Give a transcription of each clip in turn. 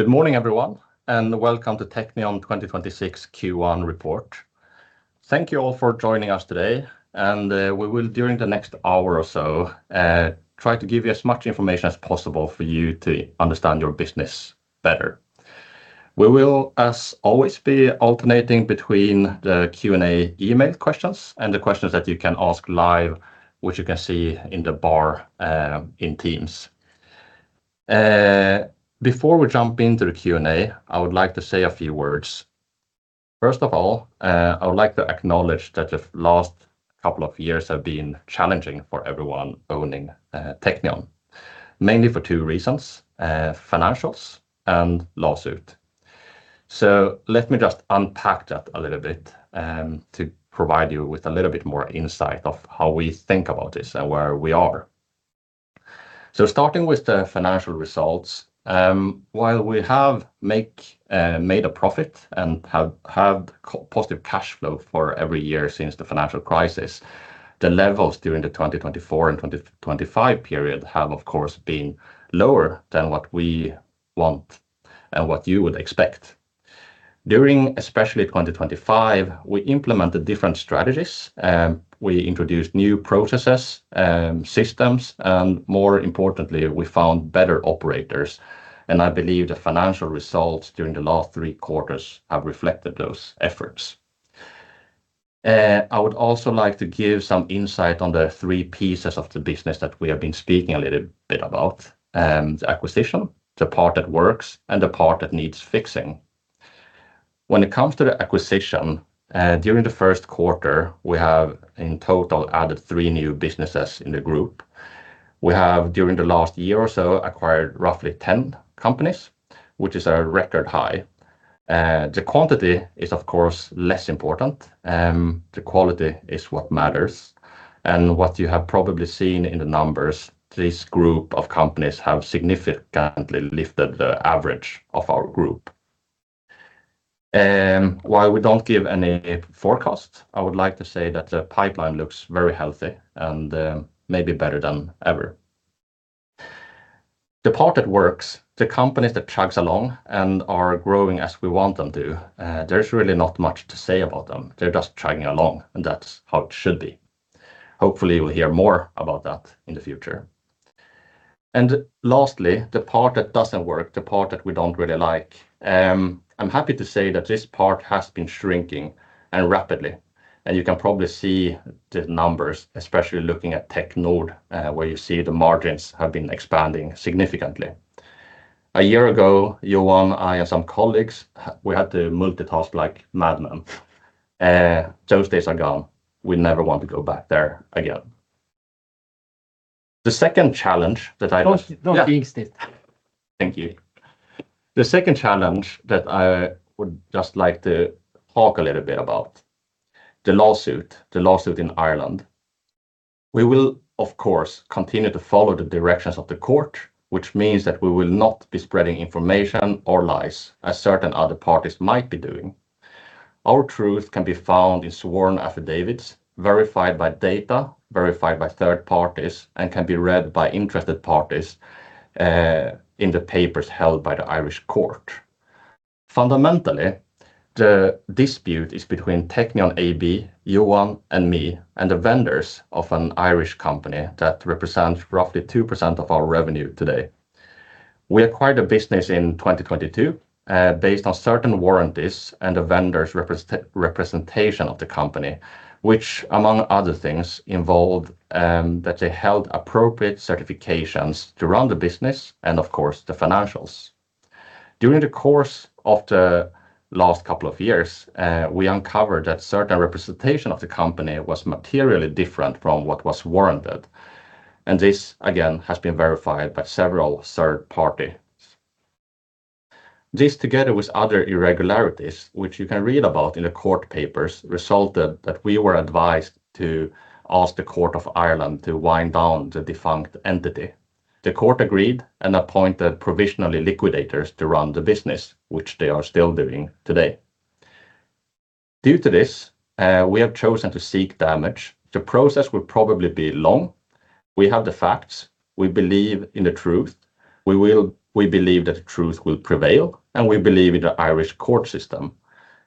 Good morning, everyone, and welcome to Teqnion 2026 Q1 report. Thank you all for joining us today. We will, during the next hour or so, try to give you as much information as possible for you to understand your business better. We will, as always, be alternating between the Q&A email questions and the questions that you can ask live, which you can see in the bar in Teams. Before we jump into the Q&A, I would like to say a few words. First of all, I would like to acknowledge that the last couple of years have been challenging for everyone owning Teqnion, mainly for two reasons, financials and lawsuit. Let me just unpack that a little bit, to provide you with a little bit more insight of how we think about this and where we are. Starting with the financial results, while we have made a profit and have had positive cash flow for every year since the financial crisis, the levels during the 2024 and 2025 period have, of course, been lower than what we want and what you would expect. During, especially 2025, we implemented different strategies. We introduced new processes, systems, and more importantly, we found better operators. I believe the financial results during the last three quarters have reflected those efforts. I would also like to give some insight on the three pieces of the business that we have been speaking a little bit about. The acquisition, the part that works, and the part that needs fixing. When it comes to the acquisition, during the first quarter, we have, in total, added three new businesses in the group. We have, during the last year or so, acquired roughly 10 companies, which is a record high. The quantity is, of course, less important. The quality is what matters. What you have probably seen in the numbers, this group of companies have significantly lifted the average of our group. While we don't give any forecasts, I would like to say that the pipeline looks very healthy and maybe better than ever. The part that works, the companies that chugs along and are growing as we want them to, there's really not much to say about them. They're just chugging along, and that's how it should be. Hopefully, we'll hear more about that in the future. Lastly, the part that doesn't work, the part that we don't really like. I'm happy to say that this part has been shrinking and rapidly. You can probably see the numbers, especially looking at Teqnion Nord, where you see the margins have been expanding significantly. A year ago, Johan, I, and some colleagues, we had to multitask like mad men. Those days are gone. We never want to go back there again. The second challenge that I Don't exist. Thank you. The second challenge that I would just like to talk a little bit about is the lawsuit in Ireland. We will, of course, continue to follow the directions of the court, which means that we will not be spreading information or lies as certain other parties might be doing. Our truth can be found in sworn affidavits, verified by data, verified by third parties, and can be read by interested parties in the papers held by the Irish court. Fundamentally, the dispute is between Teqnion AB, Johan and me, and the vendors of an Irish company that represents roughly 2% of our revenue today. We acquired a business in 2022, based on certain warranties and the vendor's representation of the company, which, among other things, involved that they held appropriate certifications to run the business and, of course, the financials. During the course of the last couple of years, we uncovered that certain representation of the company was materially different from what was warranted. This, again, has been verified by several third parties. This, together with other irregularities, which you can read about in the court papers, resulted that we were advised to ask the court of Ireland to wind down the defunct entity. The court agreed and appointed provisional liquidators to run the business, which they are still doing today. Due to this, we have chosen to seek damages. The process will probably be long. We have the facts. We believe in the truth. We believe that the truth will prevail, and we believe in the Irish court system.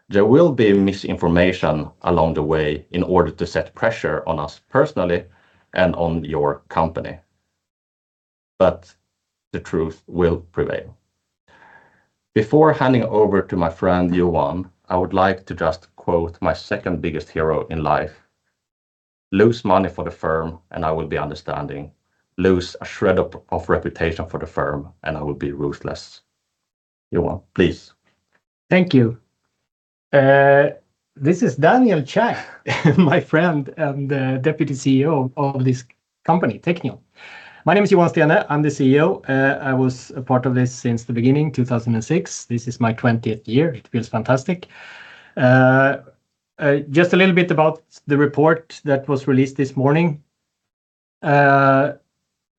There will be misinformation along the way in order to set pressure on us personally and on your company. The truth will prevail. Before handing over to my friend, Johan, I would like to just quote my second biggest hero in life, "Lose money for the firm, and I will be understanding. Lose a shred of reputation for the firm, and I will be ruthless." Johan, please. Thank you. This is Daniel Zhang, my friend and the Deputy CEO of this company, Teqnion. My name is Johan Steene. I'm the CEO. I was a part of this since the beginning, 2006. This is my 20th year. It feels fantastic. Just a little bit about the report that was released this morning.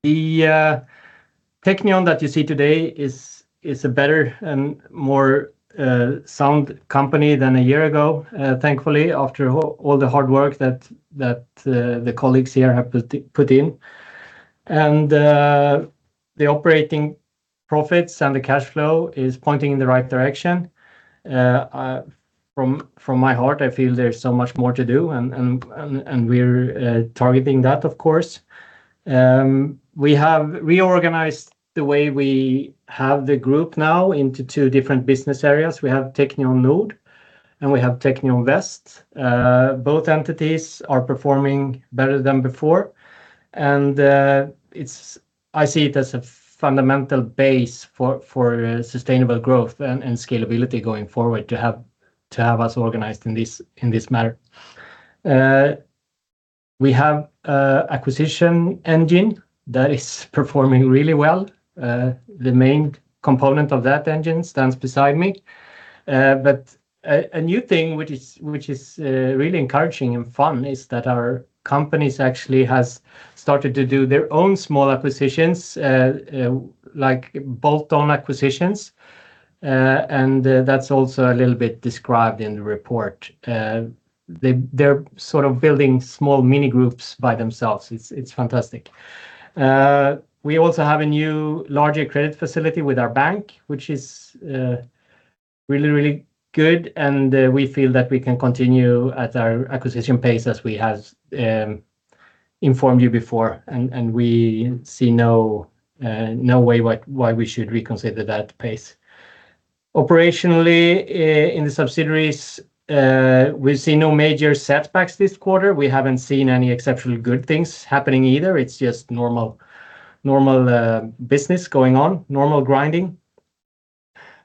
The Teqnion that you see today is a better and more sound company than a year ago, thankfully, after all the hard work that the colleagues here have put in. The operating profits and the cash flow is pointing in the right direction. From my heart, I feel there's so much more to do and we're targeting that, of course. We have reorganized the way we have the group now into two different business areas. We have Teqnion Nord, and we have Teqnion Väst. Both entities are performing better than before. I see it as a fundamental base for sustainable growth and scalability going forward to have us organized in this manner. We have acquisition engine that is performing really well. The main component of that engine stands beside me. A new thing which is really encouraging and fun is that our companies actually has started to do their own small acquisitions, like bolt-on acquisitions, and that's also a little bit described in the report. They're building small mini groups by themselves. It's fantastic. We also have a new, larger credit facility with our bank, which is really, really good, and we feel that we can continue at our acquisition pace as we have informed you before, and we see no way why we should reconsider that pace. Operationally, in the subsidiaries, we see no major setbacks this quarter. We haven't seen any exceptionally good things happening either. It's just normal business going on, normal grinding.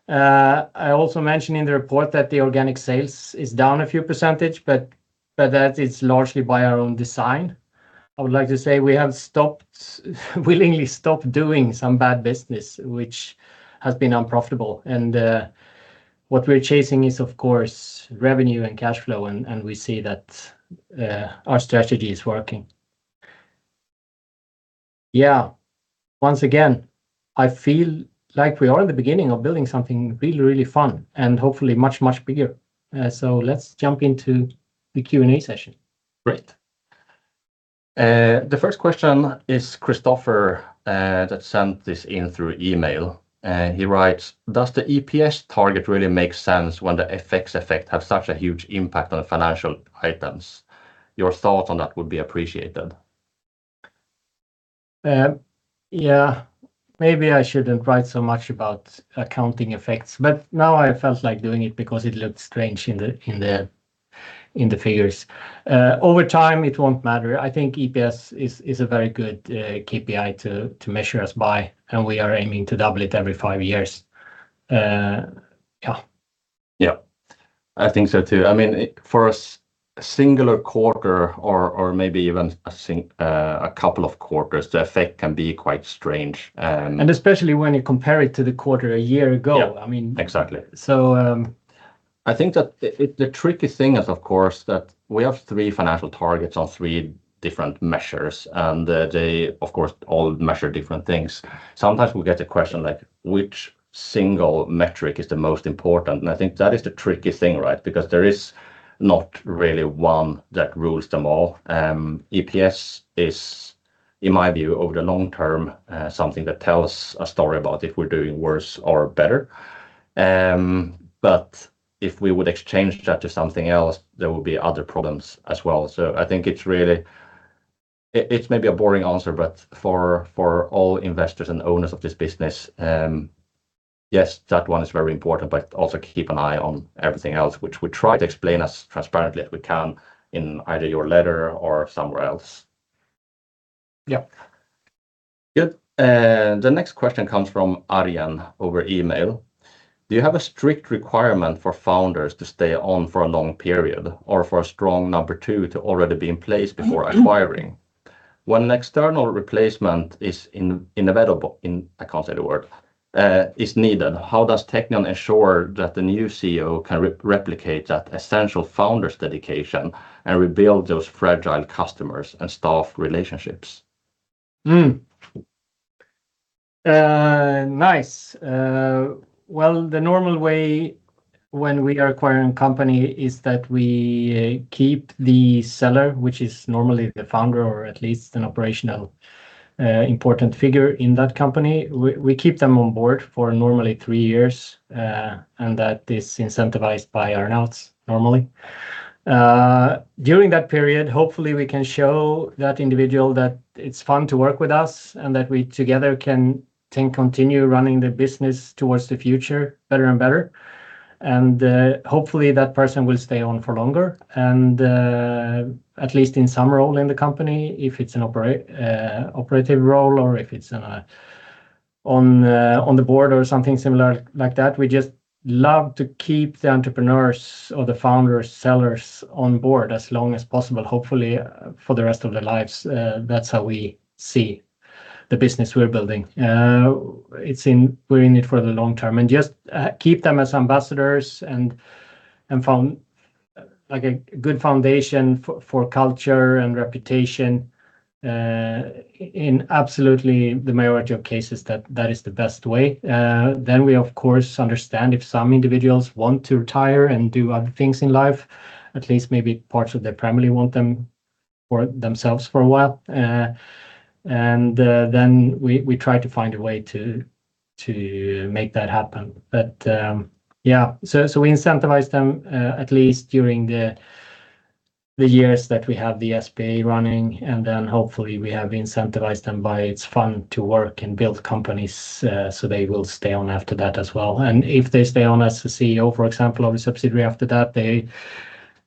I also mentioned in the report that the organic sales is down a few percentage, but that is largely by our own design. I would like to say we have willingly stopped doing some bad business, which has been unprofitable. What we're chasing is, of course, revenue and cash flow, and we see that our strategy is working. Yeah. Once again, I feel like we are in the beginning of building something really, really fun and hopefully much, much bigger. Let's jump into the Q&A session. Great. The first question is from Christopher who sent this in through email. He writes, "Does the EPS target really make sense when the FX effect has such a huge impact on financial items? Your thought on that would be appreciated. Yeah. Maybe I shouldn't write so much about accounting effects, but now I felt like doing it because it looked strange in the figures. Over time, it won't matter. I think EPS is a very good KPI to measure us by, and we are aiming to double it every five years. Yeah. Yeah. I think so too. For a singular quarter or maybe even a couple of quarters, the effect can be quite strange. Especially when you compare it to the quarter a year ago. Yeah. Exactly. I think that the tricky thing is, of course, that we have three financial targets on three different measures, and they, of course, all measure different things. Sometimes we get a question like which single metric is the most important? I think that is the tricky thing, right? Because there is not really one that rules them all. EPS is, in my view, over the long term, something that tells a story about if we're doing worse or better. If we would exchange that to something else, there will be other problems as well. I think it's maybe a boring answer, but for all investors and owners of this business, yes, that one is very important, but also keep an eye on everything else, which we try to explain as transparently as we can in either your letter or somewhere else. Yeah. Good. The next question comes from Aryan over email. "Do you have a strict requirement for founders to stay on for a long period or for a strong number two to already be in place before acquiring? When an external replacement is inevitable," I can't say the word, "is needed, how does Teqnion ensure that the new CEO can replicate that essential founder's dedication and rebuild those fragile customers and staff relationships? Nice. Well, the normal way when we are acquiring company is that we keep the seller, which is normally the founder, or at least an operational important figure in that company. We keep them on board for normally three years, and that is incentivized by earn-outs normally. During that period, hopefully, we can show that individual that it's fun to work with us and that we together can continue running the business towards the future better and better. Hopefully, that person will stay on for longer and at least in some role in the company, if it's an operative role or if it's on the board or something similar like that. We just love to keep the entrepreneurs or the founders, sellers on board as long as possible, hopefully for the rest of their lives. That's how we see the business we're building. We're in it for the long term. Just keep them as ambassadors and a good foundation for culture and reputation. In absolutely the majority of cases, that is the best way. We, of course, understand if some individuals want to retire and do other things in life. At least maybe parts of their family want them for themselves for a while. We try to find a way to make that happen. Yeah, we incentivize them at least during the years that we have the SPA running, and then hopefully we have incentivized them by its fund to work and build companies, so they will stay on after that as well. If they stay on as the CEO, for example, of a subsidiary after that,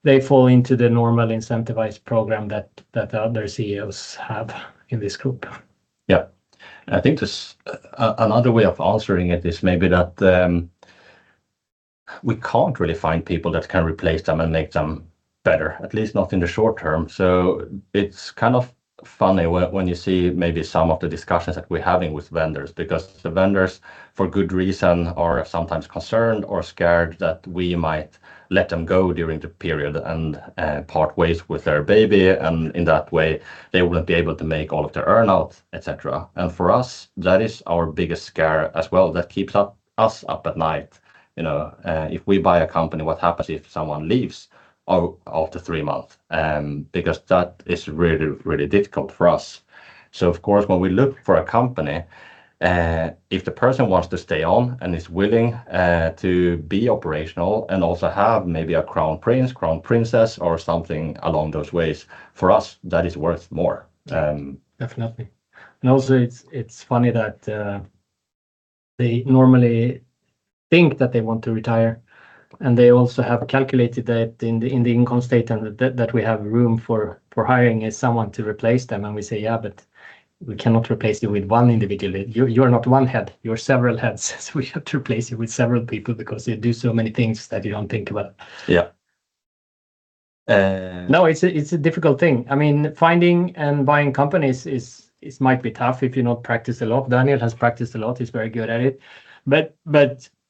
they fall into the normal incentivized program that the other CEOs have in this group. Yeah. I think another way of answering it is maybe that we can't really find people that can replace them and make them better, at least not in the short term. It's kind of funny when you see maybe some of the discussions that we're having with vendors, because the vendors, for good reason, are sometimes concerned or scared that we might let them go during the period and part ways with their baby, and in that way, they wouldn't be able to make all of their earn-out, et cetera. For us, that is our biggest scare as well, that keeps us up at night. If we buy a company, what happens if someone leaves after three months? Because that is really difficult for us. Of course, when we look for a company, if the person wants to stay on and is willing to be operational and also have maybe a crown prince, crown princess, or something along those ways, for us, that is worth more. Definitely. Also, it's funny that they normally think that they want to retire, and they also have calculated that in the income statement that we have room for hiring someone to replace them. We say, "Yeah, but we cannot replace you with one individual. You're not one head, you're several heads, so we have to replace you with several people because you do so many things that you don't think about. Yeah. No, it's a difficult thing. Finding and buying companies might be tough if you don't practice a lot. Daniel has practiced a lot, he's very good at it.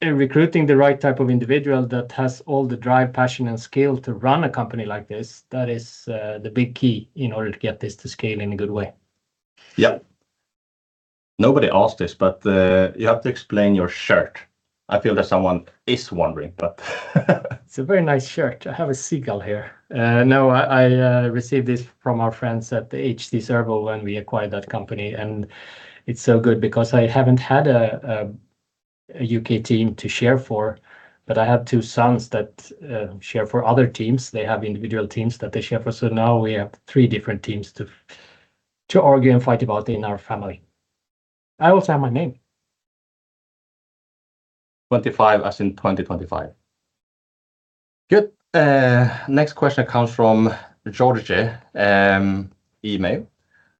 Recruiting the right type of individual that has all the drive, passion, and skill to run a company like this, that is the big key in order to get this to scale in a good way. Yeah. Nobody asked this, but you have to explain your shirt. I feel that someone is wondering, but It's a very nice shirt. I have a seagull here. No, I received this from our friends at the HT Servo when we acquired that company, and it's so good because I haven't had a U.K. team to cheer for, but I have two sons that cheer for other teams. They have individual teams that they cheer for, so now we have three different teams to argue and fight about in our family. I also have my name. 25 as in 2025. Good. Next question comes from George. Email.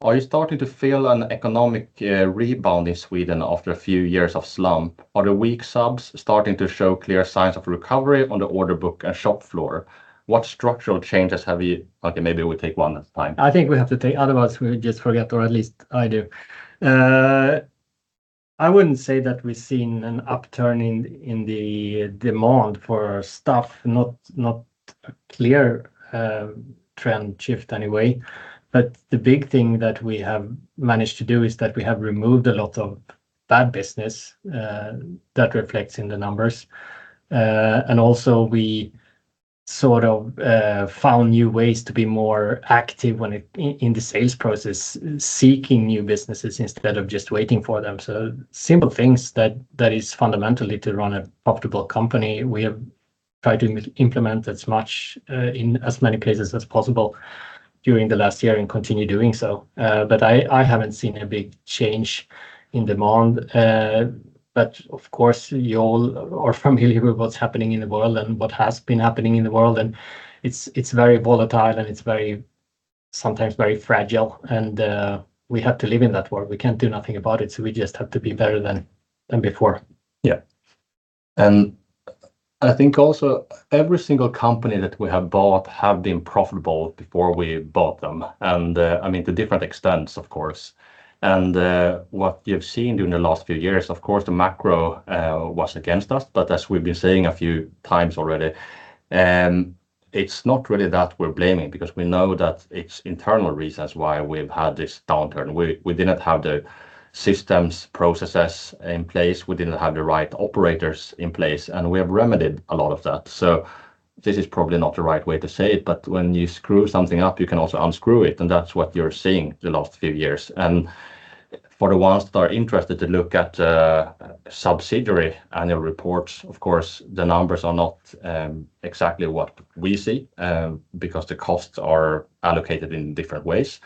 Are you starting to feel an economic rebound in Sweden after a few years of slump? Are the weak subs starting to show clear signs of recovery on the order book and shop floor? Okay, maybe we take one at a time. I think we have to take, otherwise we just forget, or at least I do. I wouldn't say that we've seen an upturn in the demand for our stuff, not a clear trend shift anyway. The big thing that we have managed to do is that we have removed a lot of bad business that reflects in the numbers. Also, we sort of found new ways to be more active in the sales process, seeking new businesses instead of just waiting for them. Simple things that is fundamentally to run a profitable company. We have tried to implement as much in as many places as possible during the last year and continue doing so. I haven't seen a big change in demand. Of course, you all are familiar with what's happening in the world and what has been happening in the world, and it's very volatile and it's sometimes very fragile and we have to live in that world. We can't do nothing about it, so we just have to be better than before. Yeah. I think also every single company that we have bought have been profitable before we bought them, to different extents, of course. What you've seen during the last few years, of course, the macro was against us, but as we've been saying a few times already, it's not really that we're blaming, because we know that it's internal reasons why we've had this downturn. We did not have the systems, processes in place, we didn't have the right operators in place, and we have remedied a lot of that. This is probably not the right way to say it, but when you screw something up, you can also unscrew it, and that's what you're seeing the last few years. For the ones that are interested to look at subsidiary annual reports, of course, the numbers are not exactly what we see, because the costs are allocated in different ways.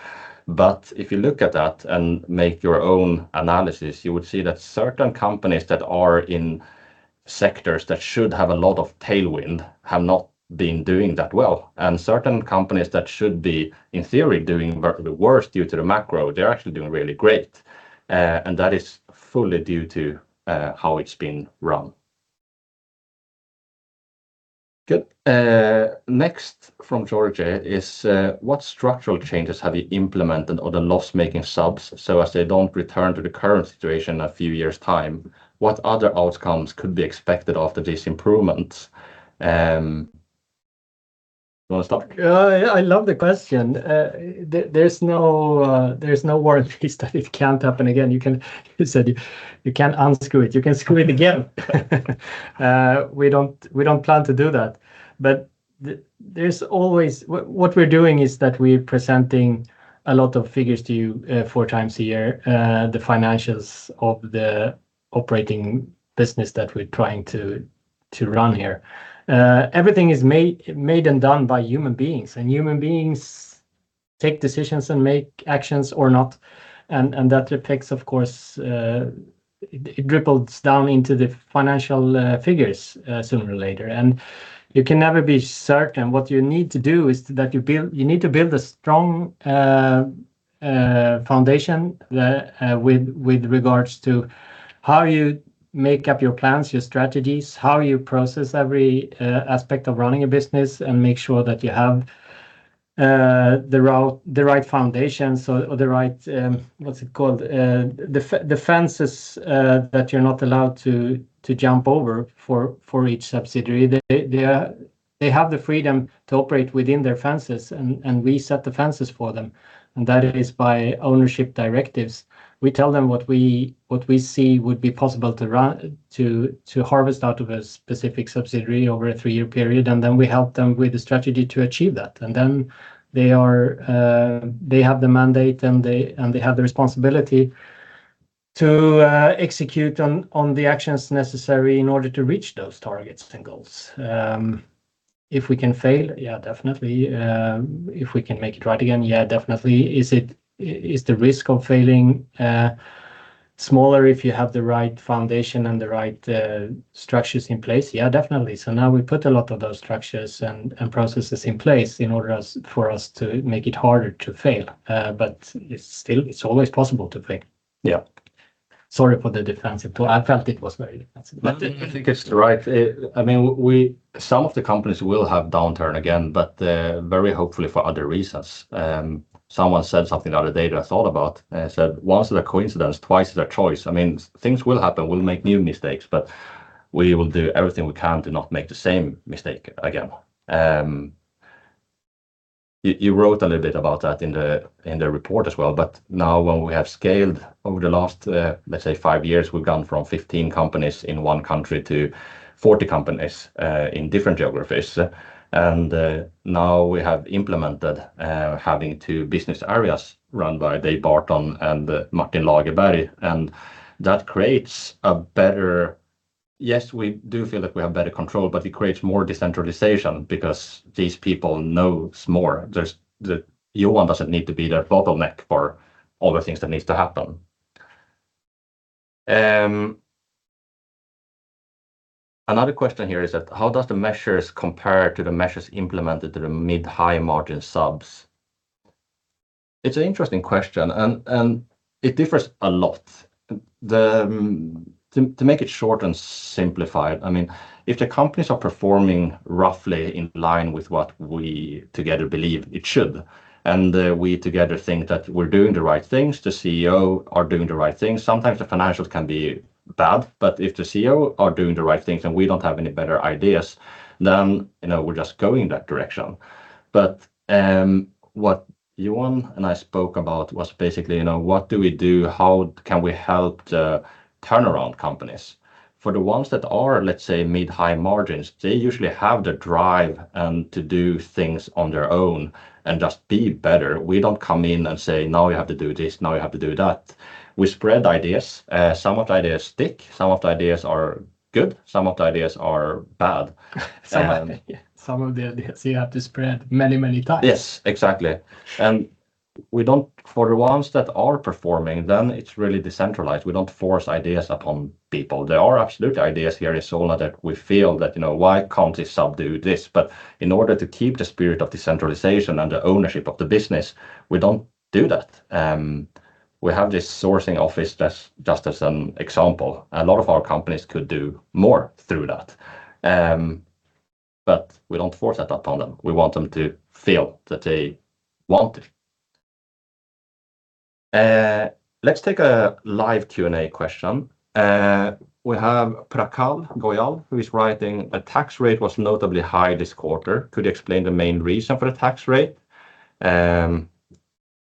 If you look at that and make your own analysis, you would see that certain companies that are in sectors that should have a lot of tailwind have not been doing that well. Certain companies that should be, in theory, doing worse due to the macro, they're actually doing really great. That is fully due to how it's been run. Good. Next from George is: What structural changes have you implemented on the loss-making subs so as they don't return to the current situation in a few years' time? What other outcomes could be expected after these improvements? You want to start? Yeah. I love the question. There's no warranties that it can't happen again. You said you can unscrew it. You can screw it again. We don't plan to do that. What we're doing is that we're presenting a lot of figures to you four times a year, the financials of the operating business that we're trying to run here. Everything is made and done by human beings, and human beings take decisions and make actions or not, and that affects, of course, it trickles down into the financial figures sooner or later. You can never be certain. What you need to do is that you need to build a strong foundation with regards to how you make up your plans, your strategies, how you process every aspect of running a business and make sure that you have the right foundation. The right, what's it called? The fences that you're not allowed to jump over for each subsidiary. They have the freedom to operate within their fences, and we set the fences for them. That is by ownership directives. We tell them what we see would be possible to harvest out of a specific subsidiary over a three-year period, and then we help them with the strategy to achieve that. They have the mandate and they have the responsibility to execute on the actions necessary in order to reach those targets and goals. If we can fail? Yeah, definitely. If we can make it right again? Yeah, definitely. Is the risk of failing smaller if you have the right foundation and the right structures in place? Yeah, definitely. Now we put a lot of those structures and processes in place in order for us to make it harder to fail. It's always possible to fail. Yeah. Sorry for the defensive. I felt it was very defensive. No, I think it's right. Some of the companies will have downturn again, but very hopefully for other reasons. Someone said something the other day that I thought about. They said, "Once is a coincidence, twice is a choice." Things will happen, we'll make new mistakes, but we will do everything we can to not make the same mistake again. You wrote a little bit about that in the report as well. Now when we have scaled over the last, let's say, five years, we've gone from 15 companies in one country to 40 companies in different geographies. Now we have implemented having two business areas run by Dave Barton and Martin Lagerberg, and that creates a better. Yes, we do feel that we have better control, but it creates more decentralization because these people know more. Johan doesn't need to be their bottleneck for all the things that needs to happen. Another question here is that how does the measures compare to the measures implemented in the mid-high margin subs? It's an interesting question, and it differs a lot. To make it short and simplified, if the companies are performing roughly in line with what we together believe it should, and we together think that we're doing the right things, the CEO are doing the right things. Sometimes the financials can be bad, but if the CEO are doing the right things and we don't have any better ideas, then we're just going that direction. What Johan and I spoke about was basically what do we do? How can we help the turnaround companies? For the ones that are, let's say, mid-high margins, they usually have the drive to do things on their own and just be better. We don't come in and say, "Now you have to do this. Now you have to do that." We spread ideas. Some of the ideas stick, some of the ideas are good, some of the ideas are bad. Some of the ideas you have to spread many, many times. Yes, exactly. For the ones that are performing, then it's really decentralized. We don't force ideas upon people. There are absolutely ideas here in Solna that we feel that, why can't this sub do this? In order to keep the spirit of decentralization and the ownership of the business, we don't do that. We have this sourcing office just as an example. A lot of our companies could do more through that. We don't force that upon them. We want them to feel that they want it. Let's take a live Q&A question. We have Prakhal Goyal who is writing, "The tax rate was notably high this quarter. Could you explain the main reason for the tax rate?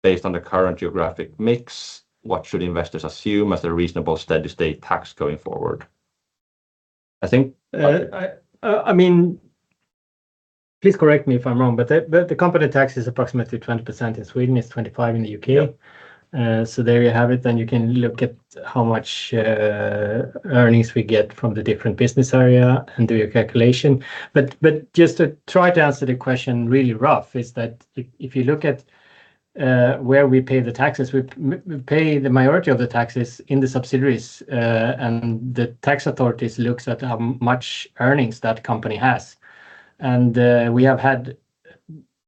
Based on the current geographic mix, what should investors assume as a reasonable steady-state tax going forward? Please correct me if I'm wrong, but the company tax is approximately 20% in Sweden. It's 25% in the U.K. Yeah. There you have it, and you can look at how much earnings we get from the different business area and do your calculation. Just to try to answer the question really rough is that if you look at where we pay the taxes, we pay the majority of the taxes in the subsidiaries. The tax authorities looks at how much earnings that company has. We have had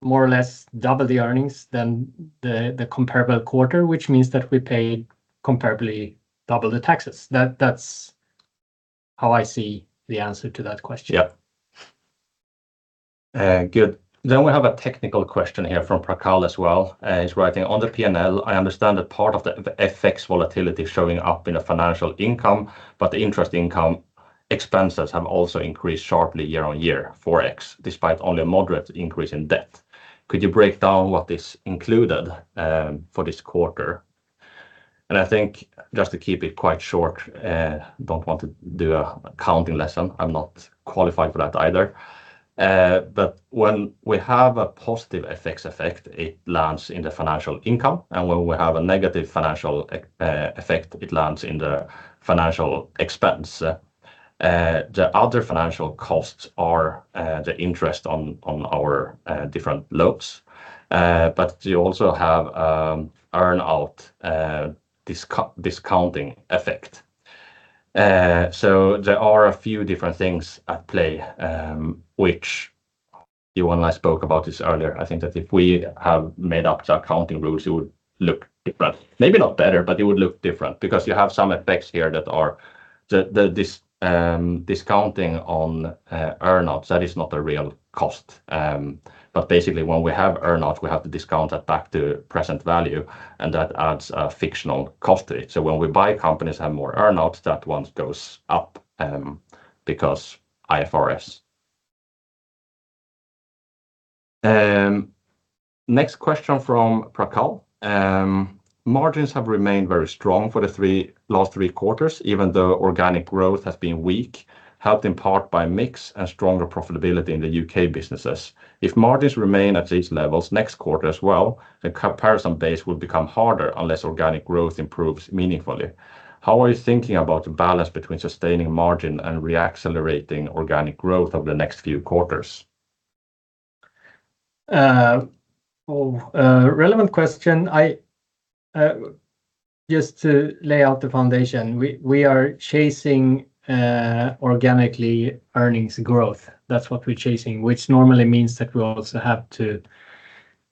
more or less double the earnings than the comparable quarter, which means that we paid comparably double the taxes. That's how I see the answer to that question. Yeah. Good. We have a technical question here from Prakhal as well. He's writing, "On the P&L, I understand that part of the FX volatility showing up in a financial income, but the interest income expenses have also increased sharply year-over-year, 4x, despite only a moderate increase in debt. Could you break down what is included for this quarter?" I think just to keep it quite short, I don't want to do an accounting lesson. I'm not qualified for that either. When we have a positive FX effect, it lands in the financial income, and when we have a negative financial effect, it lands in the financial expense. The other financial costs are the interest on our different loans. You also have earn-out discounting effect. There are a few different things at play, which Johan and I spoke about this earlier. I think that if we have made up the accounting rules, it would look different. Maybe not better, but it would look different because you have some effects here that are the discounting on earn outs. That is not a real cost. Basically, when we have earn out, we have to discount that back to present value, and that adds a fictional cost to it. When we buy companies that have more earn outs, that one goes up because IFRS. Next question from Prakhal. "Margins have remained very strong for the last three quarters, even though organic growth has been weak, helped in part by mix and stronger profitability in the U.K. businesses. If margins remain at these levels next quarter as well, the comparison base will become harder unless organic growth improves meaningfully. How are you thinking about the balance between sustaining margin and re-accelerating organic growth over the next few quarters? Relevant question. Just to lay out the foundation, we are chasing organic earnings growth. That's what we're chasing, which normally means that we also have to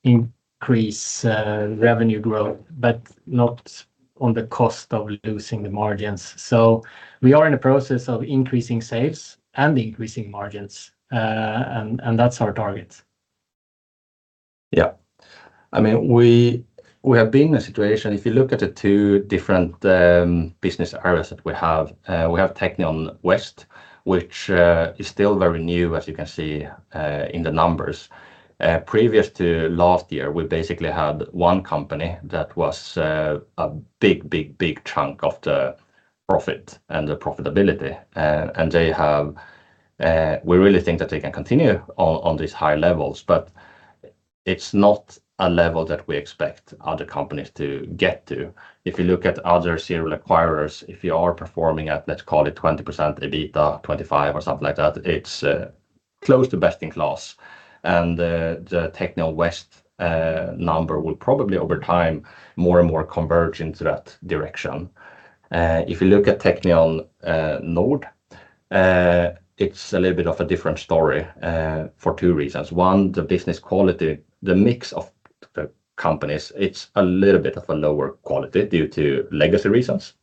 increase revenue growth, but not at the cost of losing the margins. We are in the process of increasing sales and increasing margins, and that's our target. Yeah. We have been in a situation, if you look at the two different business areas that we have. We have Teqnion Väst, which is still very new, as you can see in the numbers. Previous to last year, we basically had one company that was a big chunk of the profit and the profitability. We really think that they can continue on these high levels, but it's not a level that we expect other companies to get to. If you look at other serial acquirers, if you are performing at, let's call it 20% EBITDA, 25% or something like that, it's close to best in class. The Teqnion Väst number will probably over time, more and more converge into that direction. If you look at Teqnion Nord, it's a little bit of a different story for two reasons. One, the business quality, the mix of the companies, it's a little bit of a lower quality due to legacy reasons.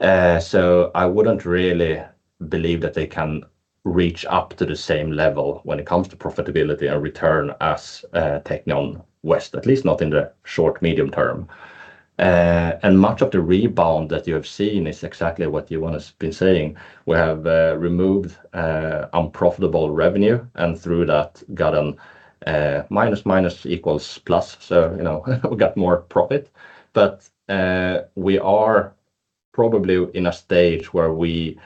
I wouldn't really believe that they can reach up to the same level when it comes to profitability and return as Teqnion Väst, at least not in the short-medium term. Much of the rebound that you have seen is exactly what Johan has been saying. We have removed unprofitable revenue, and through that got a minus equals plus. We got more profit. We are probably in a stage where we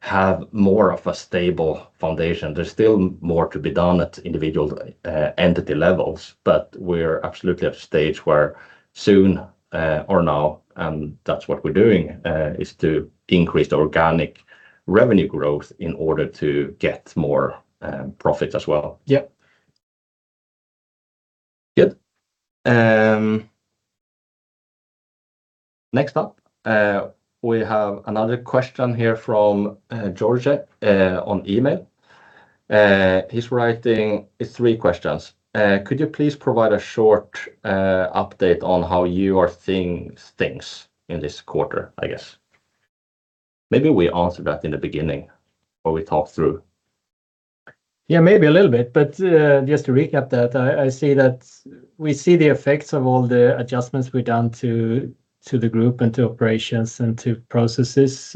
have more of a stable foundation. There's still more to be done at individual entity levels, but we're absolutely at a stage where soon or now, and that's what we're doing, is to increase the organic revenue growth in order to get more profit as well. Yeah. Good. Next up, we have another question here from George on email. He's writing three questions. "Could you please provide a short update on how you are seeing things in this quarter?" I guess. Maybe we answered that in the beginning, or we talked through. Yeah, maybe a little bit, but just to recap that, I see that we see the effects of all the adjustments we've done to the group and to operations and to processes.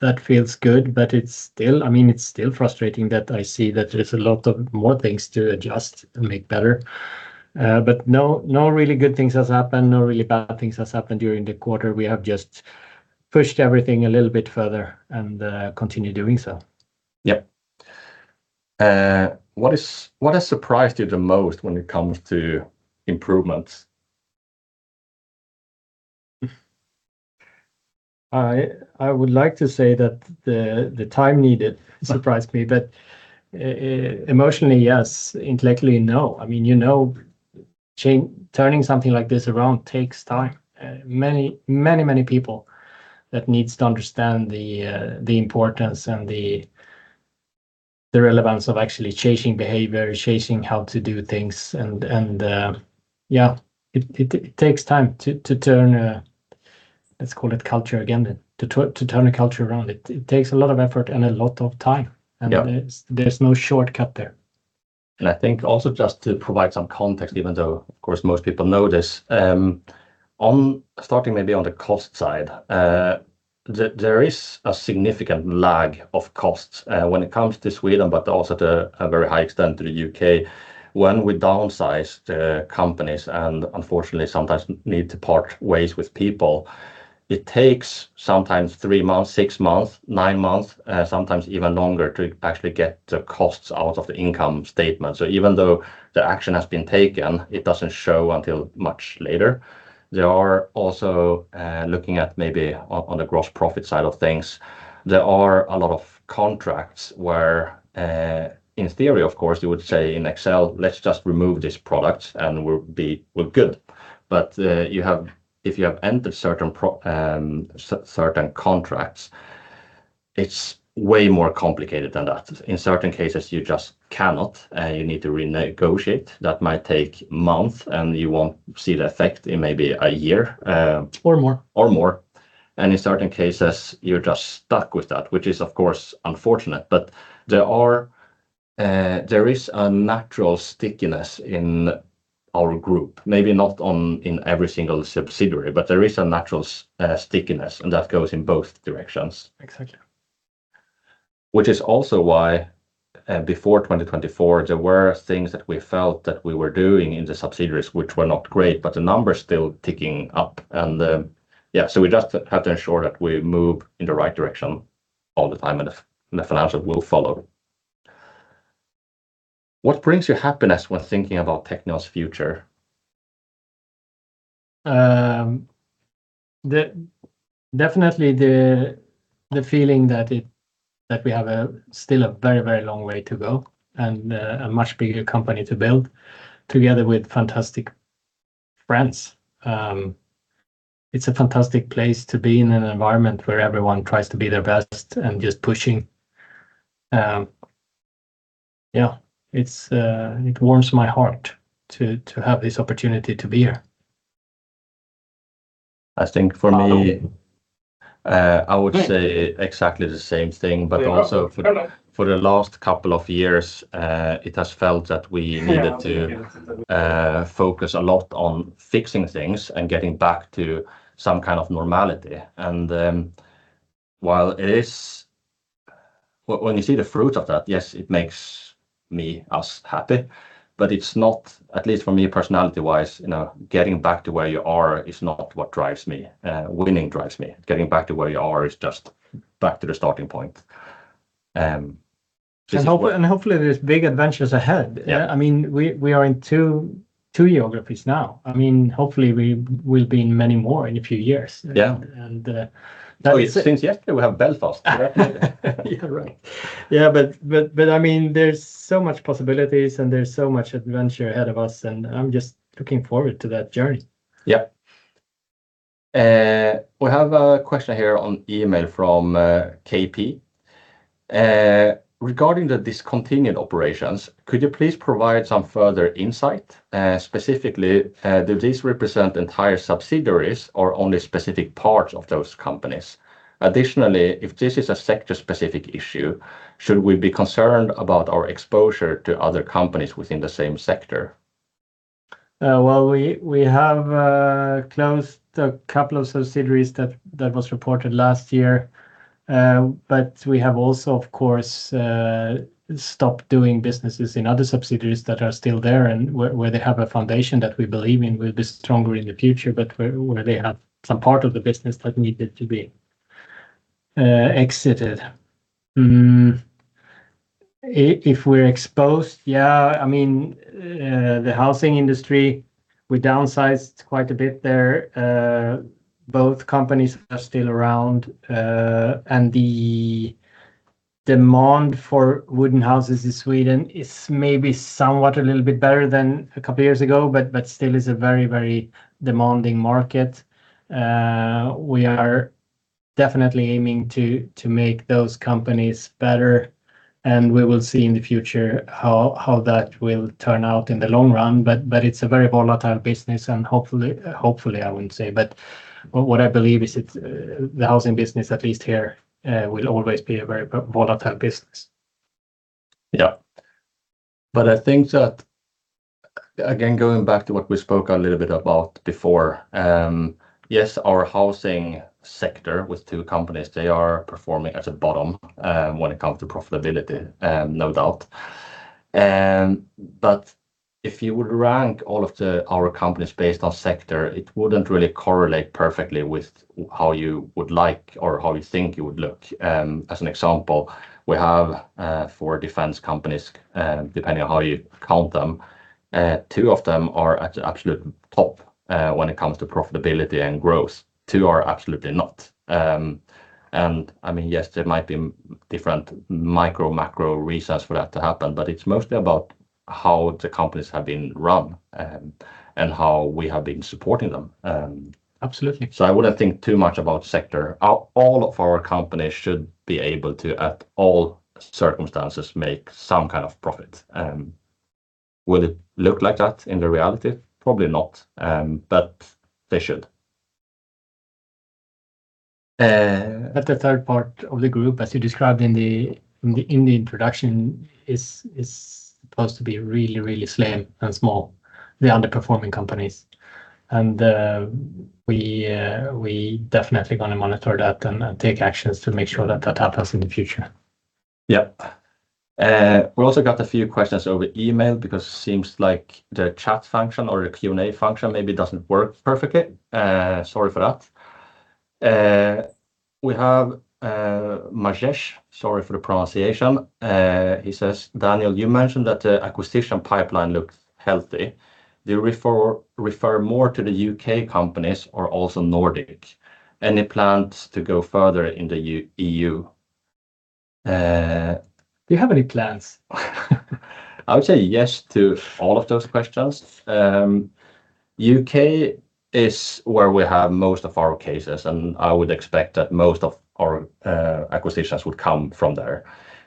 That feels good, but it's still frustrating that I see that there's a lot of more things to adjust and make better. No really good things has happened, no really bad things has happened during the quarter. We have just pushed everything a little bit further and continue doing so. Yep. What has surprised you the most when it comes to improvements? I would like to say that the time needed surprised me, but emotionally, yes. Intellectually, no. You know turning something like this around takes time. Many people that needs to understand the importance and the relevance of actually changing behavior, changing how to do things and, yeah, it takes time to turn, let's call it culture again then. To turn a culture around, it takes a lot of effort and a lot of time. Yeah. There's no shortcut there. I think also just to provide some context, even though of course most people know this. Starting maybe on the cost side. There is a significant lag of costs when it comes to Sweden, but also to a very high extent to the U.K. When we downsize the companies and unfortunately sometimes need to part ways with people, it takes sometimes three months, six months, nine months, sometimes even longer, to actually get the costs out of the income statement. Even though the action has been taken, it doesn't show until much later. There are also, looking at maybe on the gross profit side of things, there are a lot of contracts where, in theory, of course, you would say in Excel, "Let's just remove this product and we're good." But if you have entered certain contracts, it's way more complicated than that. In certain cases, you just cannot. You need to renegotiate. That might take months, and you won't see the effect in maybe a year. more. More. In certain cases, you're just stuck with that, which is, of course, unfortunate. There is a natural stickiness in our group, maybe not in every single subsidiary, but there is a natural stickiness, and that goes in both directions. Exactly. Which is also why, before 2024, there were things that we felt that we were doing in the subsidiaries, which were not great, but the numbers still ticking up. We just have to ensure that we move in the right direction all the time, and the financial will follow. What brings you happiness when thinking about Teqnion's future? Definitely the feeling that we have still a very long way to go and a much bigger company to build together with fantastic friends. It's a fantastic place to be in an environment where everyone tries to be their best and just pushing. It warms my heart to have this opportunity to be here. I think for me, I would say exactly the same thing, but also for the last couple of years, it has felt that we needed to focus a lot on fixing things and getting back to some kind of normality. When you see the fruit of that, yes, it makes me, us happy, but it's not, at least for me, personality-wise, getting back to where you are is not what drives me. Winning drives me. Getting back to where you are is just back to the starting point. Hopefully, there's big adventures ahead. Yeah. We are in two geographies now. Hopefully, we will be in many more in a few years. Yeah. That is. Since yesterday, we have Belfast. Yeah, right. There's so much possibilities, and there's so much adventure ahead of us, and I'm just looking forward to that journey. Yeah. We have a question here on email from KP. "Regarding the discontinued operations, could you please provide some further insight? Specifically, do these represent entire subsidiaries or only specific parts of those companies? Additionally, if this is a sector-specific issue, should we be concerned about our exposure to other companies within the same sector? Well, we have closed a couple of subsidiaries that was reported last year. We have also, of course, stopped doing businesses in other subsidiaries that are still there and where they have a foundation that we believe in will be stronger in the future, but where they have some part of the business that needed to be exited. If we're exposed, yeah. The housing industry, we downsized quite a bit there. Both companies are still around. The demand for wooden houses in Sweden is maybe somewhat a little bit better than a couple of years ago, but still is a very demanding market. We are definitely aiming to make those companies better, and we will see in the future how that will turn out in the long run. It's a very volatile business, and hopefully, I wouldn't say, but what I believe is the housing business, at least here, will always be a very volatile business. Yeah. I think that, again, going back to what we spoke a little bit about before, yes, our housing sector with two companies, they are performing at the bottom when it comes to profitability, no doubt. If you would rank all of our companies based on sector, it wouldn't really correlate perfectly with how you would like or how you think it would look. As an example, we have four defense companies, depending on how you count them. Two of them are at the absolute top when it comes to profitability and growth. Two are absolutely not. Yes, there might be different micro, macro reasons for that to happen, but it's mostly about how the companies have been run and how we have been supporting them. Absolutely. I wouldn't think too much about sector. All of our companies should be able to, at all circumstances, make some kind of profit. Will it look like that in the reality? Probably not, but they should. The third part of the group, as you described in the introduction, is supposed to be really slim and small, the underperforming companies. We definitely going to monitor that and take actions to make sure that that happens in the future. Yeah. We also got a few questions over email because it seems like the chat function or the Q&A function maybe doesn't work perfectly. Sorry for that. We have Majesh. Sorry for the pronunciation. He says, "Daniel, you mentioned that the acquisition pipeline looks healthy. Do you refer more to the U.K. companies or also Nordic? Any plans to go further in the EU? Do you have any plans? I would say yes to all of those questions. U.K. is where we have most of our cases, and I would expect that most of our acquisitions would come from there.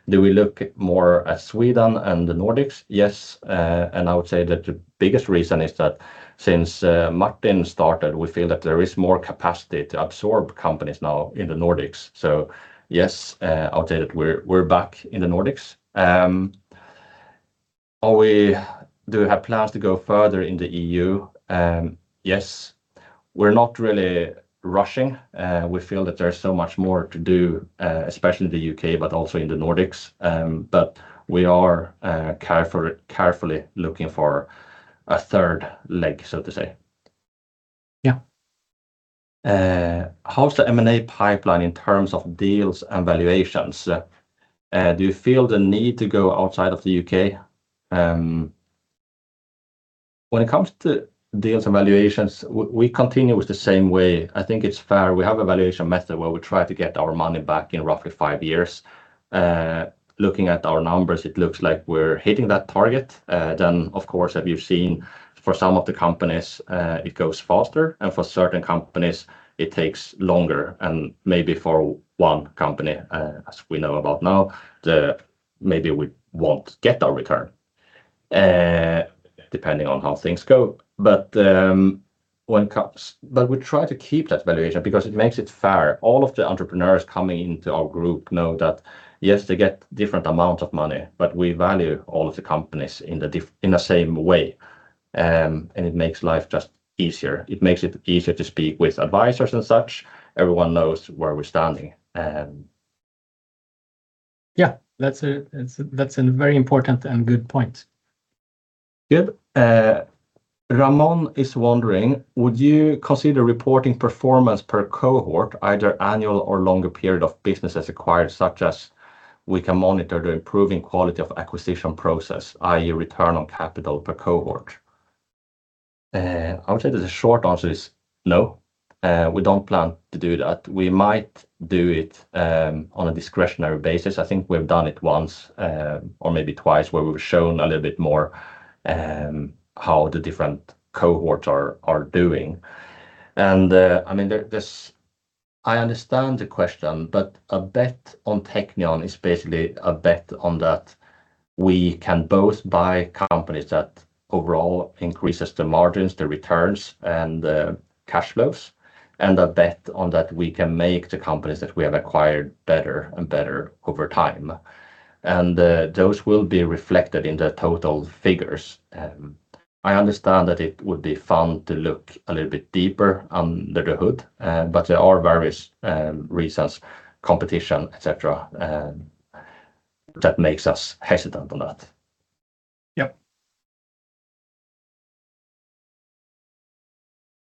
Do we look more at Sweden and the Nordics? Yes. I would say that the biggest reason is that since Martin started, we feel that there is more capacity to absorb companies now in the Nordics. Yes, I would say that we're back in the Nordics. Do we have plans to go further in the E.U.? Yes. We're not really rushing. We feel that there's so much more to do, especially in the U.K., but also in the Nordics. We are carefully looking for a third leg, so to say. Yeah. How's the M&A pipeline in terms of deals and valuations? Do you feel the need to go outside of the U.K.?" When it comes to deals and valuations, we continue with the same way. I think it's fair. We have a valuation method where we try to get our money back in roughly five years. Looking at our numbers, it looks like we're hitting that target. Of course, as you've seen, for some of the companies, it goes faster, and for certain companies, it takes longer. Maybe for one company, as we know about now, maybe we won't get our return, depending on how things go. We try to keep that valuation because it makes it fair. All of the entrepreneurs coming into our group know that, yes, they get different amount of money, but we value all of the companies in the same way, and it makes life just easier. It makes it easier to speak with advisors and such. Everyone knows where we're standing. Yeah. That's a very important and good point. Good. Ramon is wondering, "Would you consider reporting performance per cohort, either annual or longer period of businesses acquired, such that we can monitor the improving quality of acquisition process, i.e., return on capital per cohort?" I would say that the short answer is no, we don't plan to do that. We might do it on a discretionary basis. I think we've done it once or maybe twice where we've shown a little bit more how the different cohorts are doing. I understand the question, but a bet on Teqnion is basically a bet on that we can both buy companies that overall increases the margins, the returns, and the cash flows, and a bet on that we can make the companies that we have acquired better and better over time. Those will be reflected in the total figures. I understand that it would be fun to look a little bit deeper under the hood, but there are various reasons, competition, et cetera, that makes us hesitant on that. Yep.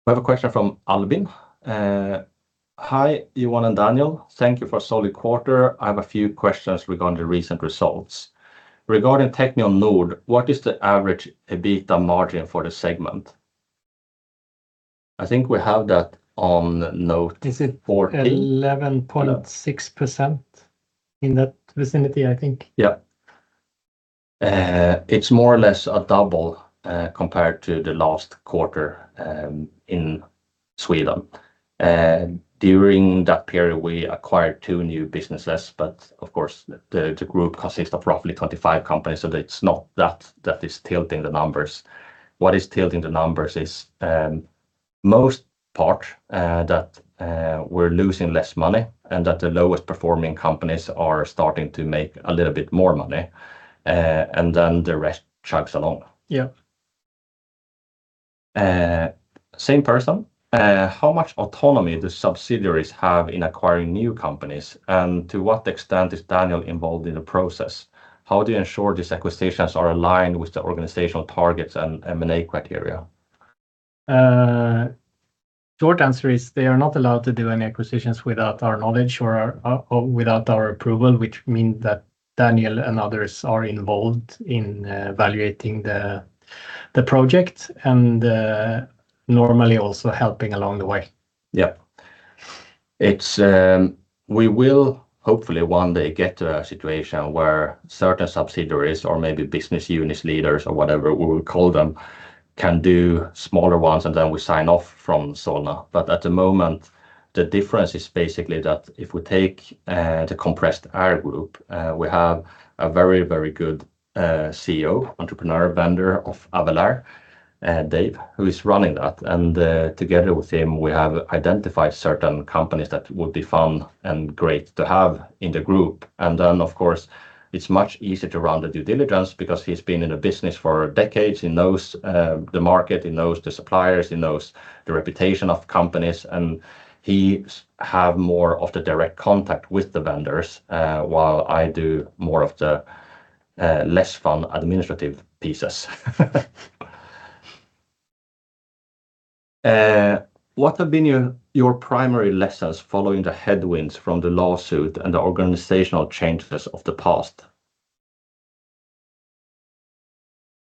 We have a question from Albin. "Hi, Johan and Daniel. Thank you for a solid quarter. I have a few questions regarding the recent results. Regarding Teqnion Nord, what is the average EBITDA margin for the segment?" I think we have that noted. Is it- 14 11.6%? In that vicinity, I think. Yeah. It's more or less a double compared to the last quarter in Sweden. During that period, we acquired two new businesses, but of course, the group consists of roughly 25 companies, so it's not that is tilting the numbers. What is tilting the numbers is for the most part that we're losing less money and that the lowest-performing companies are starting to make a little bit more money, and then the rest chugs along. Yeah. How much autonomy do subsidiaries have in acquiring new companies, and to what extent is Daniel involved in the process? How do you ensure these acquisitions are aligned with the organizational targets and M&A criteria? Short answer is they are not allowed to do any acquisitions without our knowledge or without our approval, which mean that Daniel and others are involved in evaluating the project and normally also helping along the way. Yep. We will hopefully one day get to a situation where certain subsidiaries or maybe business unit leaders or whatever we will call them, can do smaller ones, and then we sign off from Solna. At the moment, the difference is basically that if we take the compressed air group, we have a very good CEO, entrepreneur, vendor of Avelair, Dave, who is running that. Together with him, we have identified certain companies that would be fun and great to have in the group. Then, of course, it's much easier to run the due diligence because he's been in the business for decades. He knows the market, he knows the suppliers, he knows the reputation of companies, and he have more of the direct contact with the vendors, while I do more of the less fun administrative pieces. What have been your primary lessons following the headwinds from the lawsuit and the organizational changes of the past?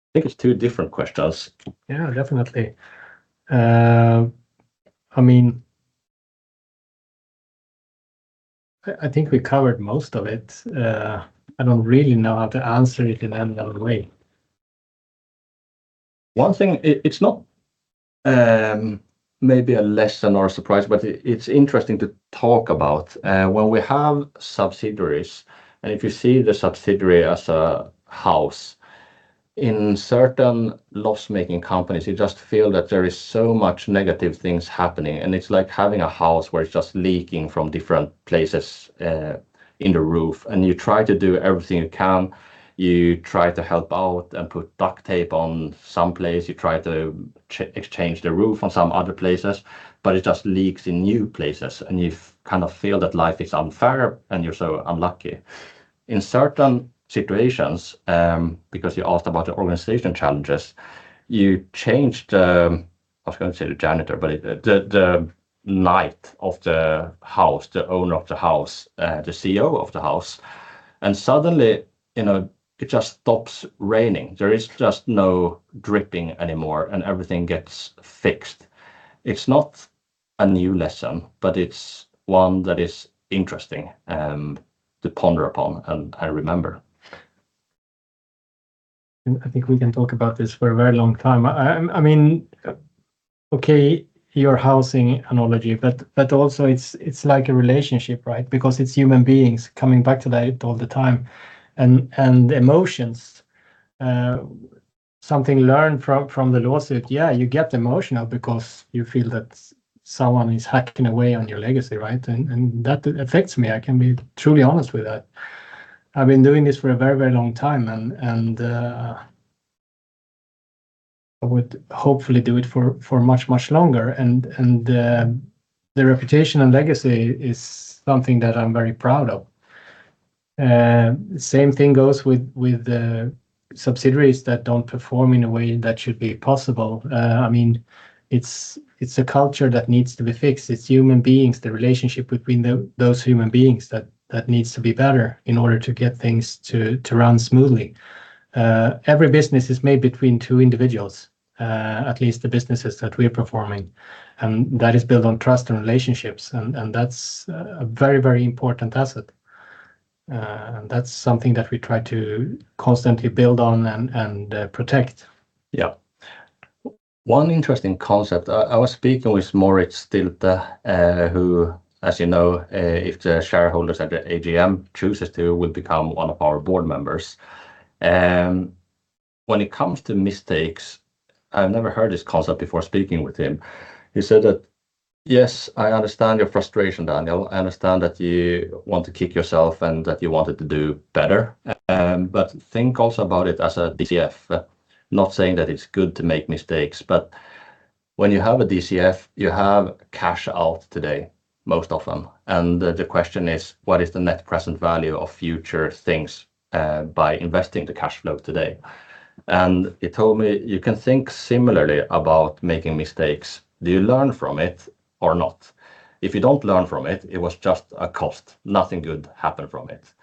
I think it's two different questions. Yeah, definitely. I think we covered most of it. I don't really know how to answer it in any other way. One thing, it's not maybe a lesson or a surprise, but it's interesting to talk about. When we have subsidiaries, and if you see the subsidiary as a house. In certain loss-making companies, you just feel that there is so much negative things happening, and it's like having a house where it's just leaking from different places in the roof. You try to do everything you can. You try to help out and put duct tape on some place. You try to exchange the roof on some other places, but it just leaks in new places, and you kind of feel that life is unfair, and you're so unlucky. In certain situations, because you asked about the organization challenges, you change the, I was going to say the janitor, but the knight of the house, the owner of the house, the CEO of the house. Suddenly, it just stops raining. There is just no dripping anymore, and everything gets fixed. It's not a new lesson, but it's one that is interesting to ponder upon and remember. I think we can talk about this for a very long time. Okay, your housing analogy, but also it's like a relationship, right? Because it's human beings coming back to that all the time and emotions. Something learned from the lawsuit, yeah, you get emotional because you feel that someone is hacking away on your legacy, right? That affects me. I can be truly honest with that. I've been doing this for a very long time and I would hopefully do it for much longer. The reputation and legacy is something that I'm very proud of. Same thing goes with the subsidiaries that don't perform in a way that should be possible. It's a culture that needs to be fixed. It's human beings, the relationship between those human beings that needs to be better in order to get things to run smoothly. Every business is made between two individuals, at least the businesses that we're performing, and that is built on trust and relationships, and that's a very important asset. That's something that we try to constantly build on and protect. Yeah. One interesting concept. I was speaking with Moritz Sitte, who, as you know, if the shareholders at the AGM chooses to, will become one of our board members. When it comes to mistakes, I've never heard this concept before speaking with him. He said that, "Yes, I understand your frustration, Daniel. I understand that you want to kick yourself and that you wanted to do better. But think also about it as a DCF. Not saying that it's good to make mistakes, but when you have a DCF, you have cash out today, most of them. And the question is, what is the net present value of future things by investing the cash flow today?" And he told me, "You can think similarly about making mistakes. Do you learn from it or not? If you don't learn from it was just a cost. Nothing good happened from it.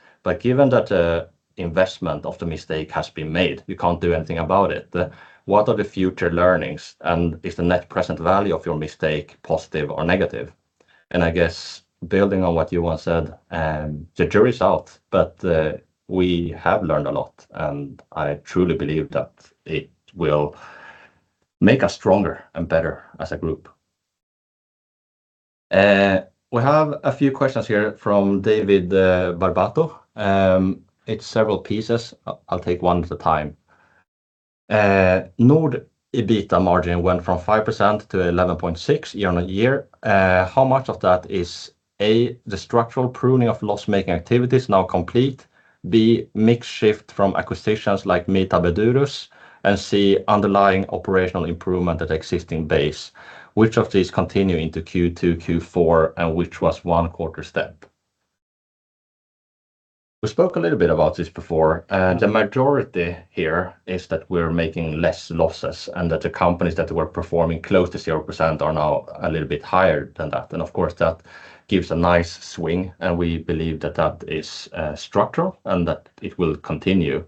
Given that the investment of the mistake has been made, we can't do anything about it. What are the future learnings, and is the net present value of your mistake positive or negative?" I guess building on what Johan said, the jury's out, but we have learned a lot, and I truly believe that it will make us stronger and better as a group. We have a few questions here from David Barbato. It's several pieces. I'll take one at a time. Teqnion Nord EBITA margin went from 5% to 11.6% year-on-year. How much of that is, A, the structural pruning of loss-making activities now complete, B, mix shift from acquisitions like Edurus Gravstenar, and C, underlying operational improvement at existing base. Which of these continue into Q2, Q4, and which was one quarter step? We spoke a little bit about this before, and the majority here is that we're making less losses and that the companies that were performing close to 0% are now a little bit higher than that. Of course, that gives a nice swing, and we believe that that is structural and that it will continue.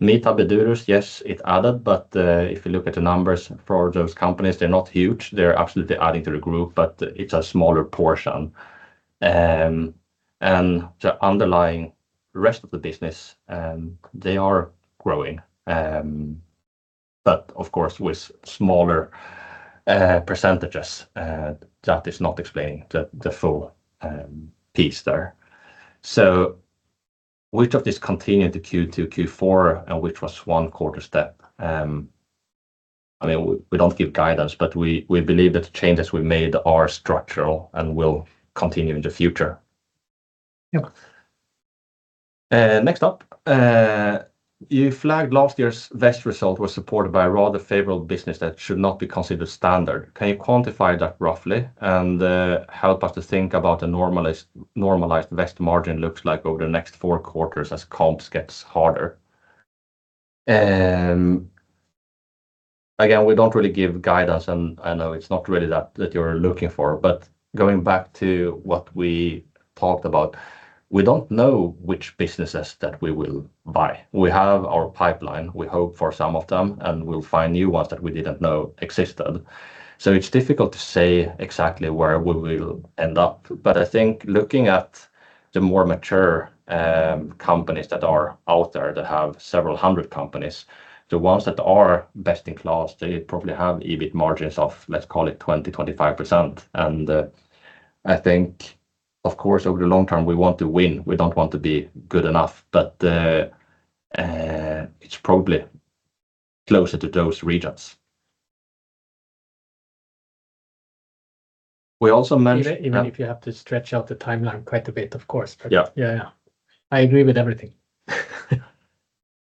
Edurus, yes, it added, but if you look at the numbers for those companies, they're not huge. They're absolutely adding to the group, but it's a smaller portion. The underlying rest of the business, they are growing. Of course, with smaller percentages, that is not explaining the full piece there. Which of these continued to Q2, Q4, and which was one quarter step? We don't give guidance, but we believe that the changes we made are structural and will continue in the future. Yeah. Next up. You flagged last year's EBIT result was supported by a rather favorable business that should not be considered standard. Can you quantify that roughly and help us to think about what the normalized EBIT margin looks like over the next four quarters as comps gets harder? Again, we don't really give guidance, and I know it's not really that you're looking for. Going back to what we talked about, we don't know which businesses that we will buy. We have our pipeline, we hope for some of them, and we'll find new ones that we didn't know existed. It's difficult to say exactly where we will end up. I think looking at the more mature companies that are out there, that have several hundred companies, the ones that are best in class, they probably have EBIT margins of, let's call it 20%-25%. I think, of course, over the long term, we want to win. We don't want to be good enough. It's probably closer to those regions. We also mentioned. Even if you have to stretch out the timeline quite a bit, of course. Yeah. Yeah. I agree with everything.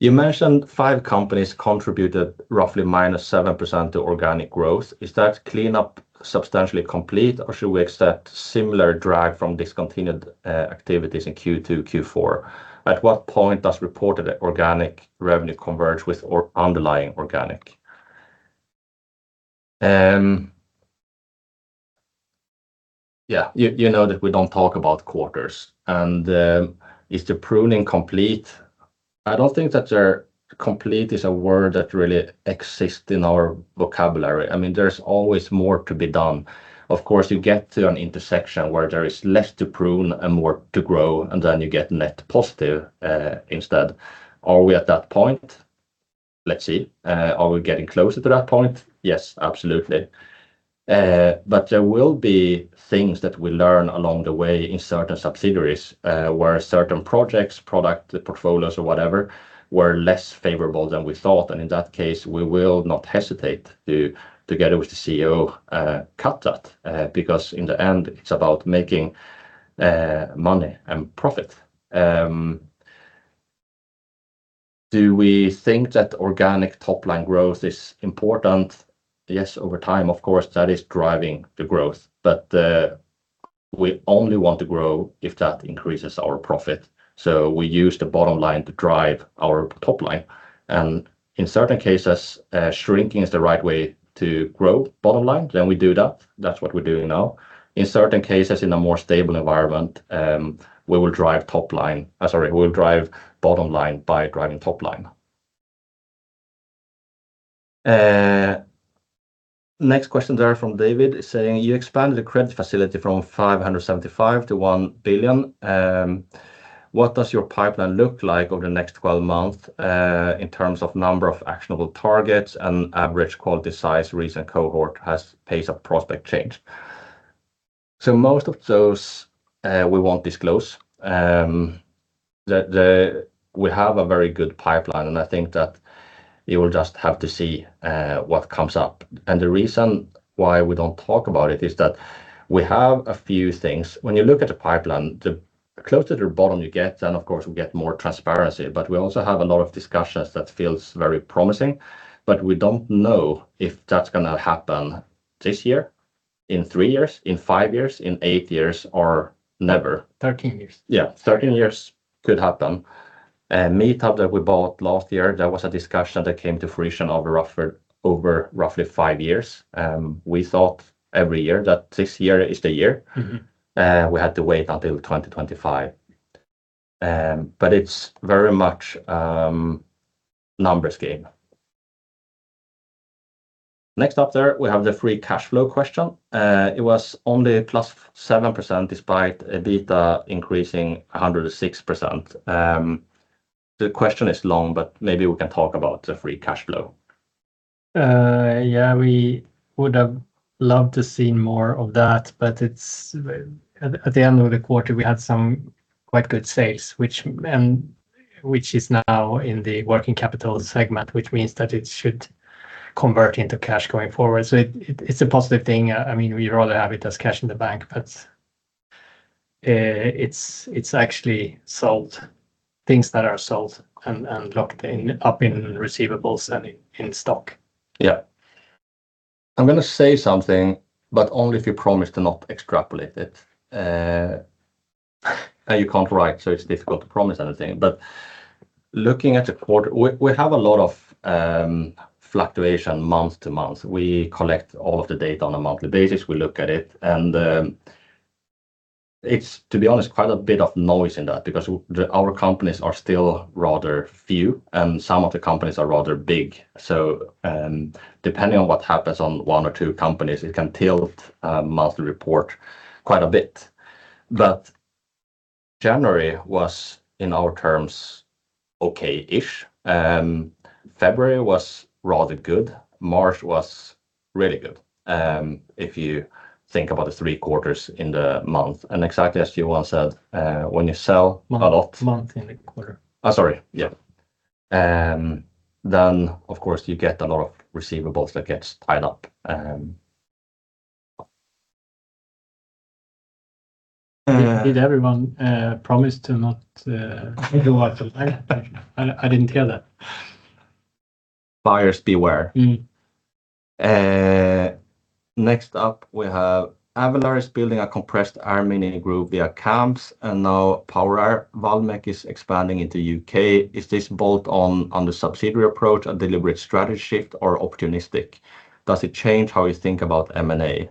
You mentioned five companies contributed roughly -7% to organic growth. Is that cleanup substantially complete, or should we expect similar drag from discontinued activities in Q2, Q4? At what point does reported organic revenue converge with underlying organic? Yeah. You know that we don't talk about quarters. Is the pruning complete? I don't think that complete is a word that really exists in our vocabulary. There's always more to be done. Of course, you get to an intersection where there is less to prune and more to grow, and then you get net positive instead. Are we at that point? Let's see. Are we getting closer to that point? Yes, absolutely. But there will be things that we learn along the way in certain subsidiaries, where certain projects, product portfolios or whatever, were less favorable than we thought. In that case, we will not hesitate to, together with the CEO, cut that, because in the end, it's about making money and profit. Do we think that organic top-line growth is important? Yes, over time, of course, that is driving the growth. We only want to grow if that increases our profit. We use the bottom line to drive our top line, and in certain cases, shrinking is the right way to grow bottom line. We do that. That's what we're doing now. In certain cases, in a more stable environment, we will drive bottom line by driving top line. Next question there from David is saying, "You expanded the credit facility from 575 to 1 billion. What does your pipeline look like over the next 12 months, in terms of number of actionable targets and average quality, size, recent cohort has pace of prospect change? Most of those, we won't disclose. We have a very good pipeline, and I think that you will just have to see what comes up. The reason why we don't talk about it is that we have a few things. When you look at a pipeline, the closer to the bottom you get, then, of course, we get more transparency. We also have a lot of discussions that feels very promising, but we don't know if that's going to happen this year, in three years, in five years, in eight years, or never. 13 years. Yeah. 13 years could happen. MITAB that we bought last year, that was a discussion that came to fruition over roughly five years. We thought every year that this year is the year. Mm-hmm. We had to wait until 2025. It's very much a numbers game. Next up there, we have the free cash flow question. It was only +7%, despite EBITDA increasing 106%. The question is long, but maybe we can talk about the free cash flow. Yeah. We would have loved to seen more of that. At the end of the quarter, we had some quite good sales, which is now in the working capital segment, which means that it should convert into cash going forward. It's a positive thing. We'd rather have it as cash in the bank, but it's actually things that are sold and locked up in receivables and in stock. Yeah. I'm going to say something, but only if you promise to not extrapolate it. You can't write, so it's difficult to promise anything. Looking at the quarter, we have a lot of fluctuation month-to-month. We collect all of the data on a monthly basis. We look at it, and it's, to be honest, quite a bit of noise in that, because our companies are still rather few, and some of the companies are rather big. Depending on what happens on one or two companies, it can tilt a monthly report quite a bit. January was, in our terms, okay-ish. February was rather good. March was really good. If you think about the three quarters in the month, and exactly as you all said, when you sell a lot- Month in a quarter. Sorry. Yeah. Of course, you get a lot of receivables that gets tied up. Did everyone promise to not go out tonight? I didn't hear that. Buyers beware. Mm-hmm. Next up we have Avelair building a compressed air mini group via Cambs and now Power Air. Wallmek is expanding into U.K. Is this bolt-on subsidiary approach a deliberate strategy shift or opportunistic? Does it change how you think about M&A?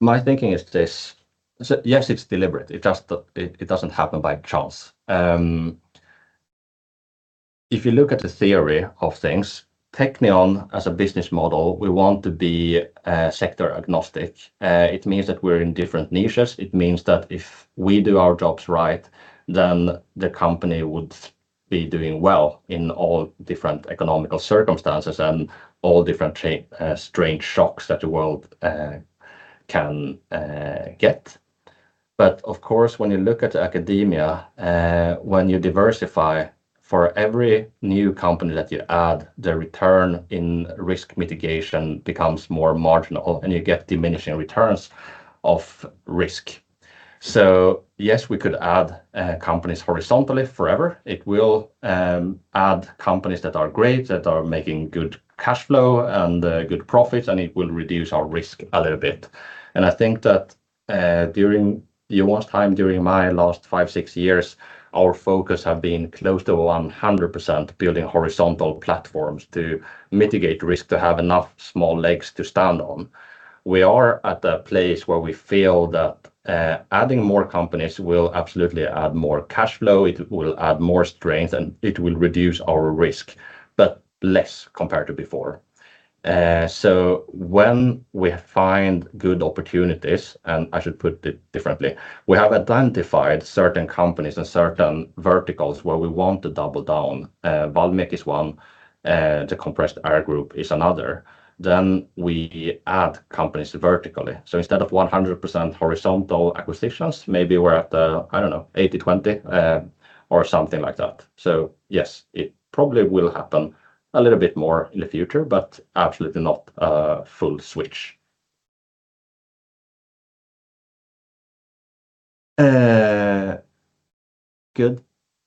My thinking is this. Yes, it's deliberate. It doesn't happen by chance. If you look at the theory of things, Teqnion, as a business model, we want to be sector agnostic. It means that we're in different niches. It means that if we do our jobs right, then the company would be doing well in all different economic circumstances and all different strange shocks that the world can get. But of course, when you look at academia, when you diversify for every new company that you add, the return in risk mitigation becomes more marginal, and you get diminishing returns of risk. Yes, we could add companies horizontally forever. It will add companies that are great, that are making good cash flow and good profits, and it will reduce our risk a little bit. I think that during Johan's time, during my last five, six years, our focus have been close to 100% building horizontal platforms to mitigate risk, to have enough small legs to stand on. We are at a place where we feel that adding more companies will absolutely add more cash flow, it will add more strength, and it will reduce our risk, but less compared to before. When we find good opportunities, and I should put it differently, we have identified certain companies and certain verticals where we want to double down. Wallmek is one, the Compressed Air group is another. We add companies vertically. Instead of 100% horizontal acquisitions, maybe we're at, I don't know, 80/20 or something like that. Yes, it probably will happen a little bit more in the future, but absolutely not a full switch. Good.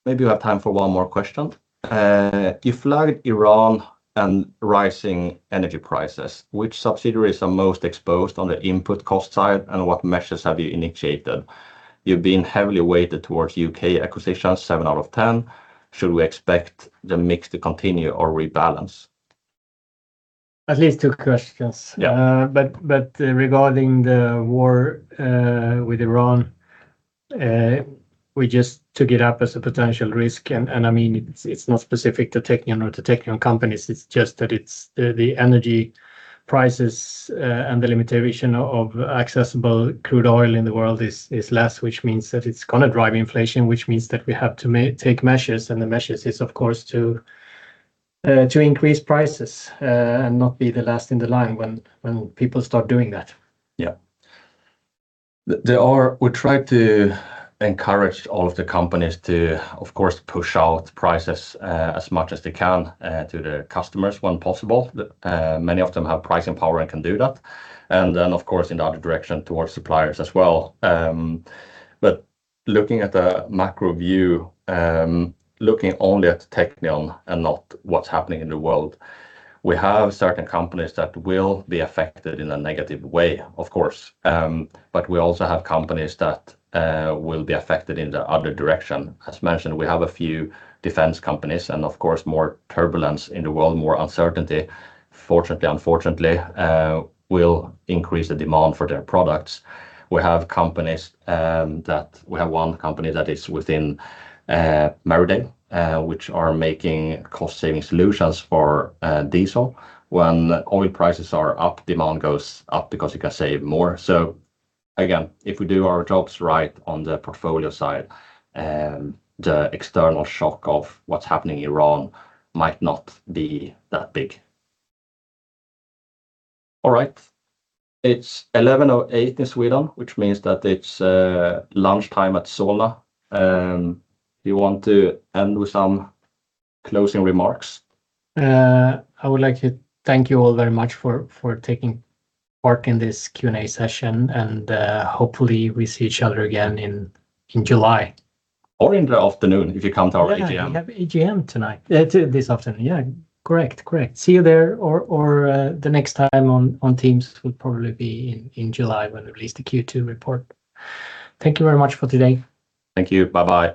Maybe we have time for one more question. You flagged Iran and rising energy prices. Which subsidiaries are most exposed on the input cost side, and what measures have you indicated? You've been heavily weighted towards U.K. acquisitions, seven out of 10. Should we expect the mix to continue or rebalance? At least two questions. Yeah. Regarding the war with Iran, we just took it up as a potential risk, and it's not specific to Teqnion or to Teqnion companies. It's just that it's the energy prices and the limitation of accessible crude oil in the world is less, which means that it's going to drive inflation, which means that we have to take measures, and the measures is, of course, to increase prices and not be the last in the line when people start doing that. Yeah. We try to encourage all of the companies to, of course, push out prices as much as they can to their customers when possible. Many of them have pricing power and can do that, and then, of course, in the other direction towards suppliers as well. Looking at the macro view, looking only at Teqnion and not what's happening in the world, we have certain companies that will be affected in a negative way, of course, but we also have companies that will be affected in the other direction. As mentioned, we have a few defense companies and, of course, more turbulence in the world, more uncertainty, fortunately, unfortunately, will increase the demand for their products. We have one company that is within Marinediesel, which are making cost-saving solutions for diesel. When oil prices are up, demand goes up because you can save more. Again, if we do our jobs right on the portfolio side, the external shock of what's happening in Iran might not be that big. All right. It's 11:08 A.M. in Sweden, which means that it's lunchtime at Solna. You want to end with some closing remarks? I would like to thank you all very much for taking part in this Q&A session, and hopefully we see each other again in July. In the afternoon if you come to our AGM. Yeah, we have AGM this afternoon. Yeah. Correct. See you there, or the next time on Teams will probably be in July when we release the Q2 report. Thank you very much for today. Thank you. Bye bye